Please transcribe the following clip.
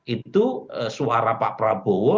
itu suara pak prabowo